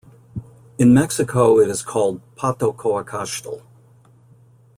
In Mexico it is called "pato coacoxtle".